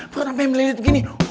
perut sampai melilit begini